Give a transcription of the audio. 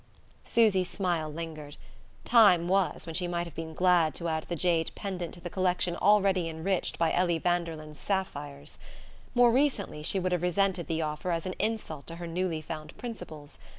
Susy's smile lingered. Time was when she might have been glad to add the jade pendant to the collection already enriched by Ellie Vanderlyn's sapphires; more recently, she would have resented the offer as an insult to her newly found principles.